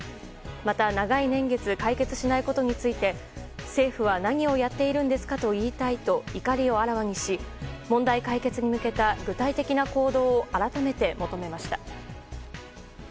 また、長い年月解決しないことについて政府は何をやっているんですかと言いたいと怒りをあらわにし問題解決に向けた具体的な行動を改めて求めました。